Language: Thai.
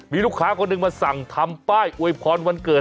มีลูกค้าคนหนึ่งมาสั่งทำป้ายอวยพรวันเกิด